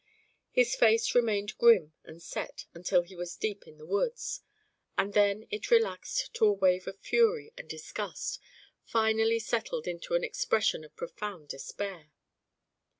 His face remained grim and set until he was deep in the woods, and then it relaxed to a wave of fury and disgust, finally settled into an expression of profound despair.